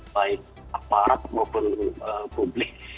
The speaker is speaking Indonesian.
baik aparat maupun publik